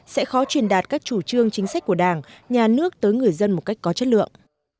sẽ khó truyền đạt các chủ trương chính sách của đảng nhà nước tới người dân một cách có chất lượng